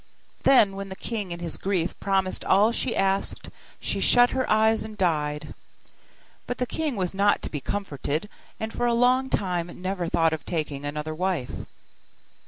Then when the king in his grief promised all she asked, she shut her eyes and died. But the king was not to be comforted, and for a long time never thought of taking another wife.